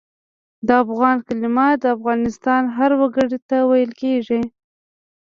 د افغان کلمه د افغانستان هر وګړي ته ویل کېږي.